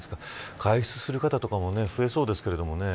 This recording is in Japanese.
外出する方も増えそうですけどもね。